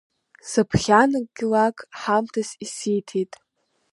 Сыԥханагьлак ҳамҭас исиҭеит.